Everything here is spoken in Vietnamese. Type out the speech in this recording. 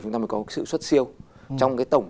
chúng ta mới có cái sự xuất siêu trong cái tổng